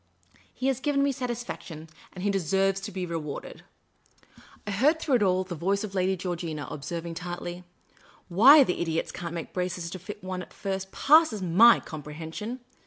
He has given me satisfaction, and he deserves to be rewarded." I heard through it all the voice of Lady Georgina observ ing, tartly, " Why the idiots can't make braces to fit one at first passes my comprehension.